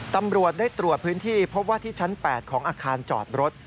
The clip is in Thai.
ตำรวจได้ตรวจพื้นที่พบว่าที่ชั้น๘ของอาคารจอดรถ